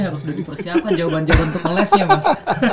harus sudah dipersiapkan jawaban jawaban untuk ngelesnya mas